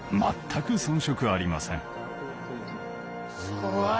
すごい。